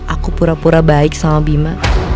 aku pura pura baik sama bima